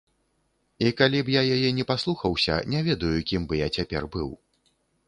І калі б я яе не паслухаўся, не ведаю, кім бы я цяпер быў.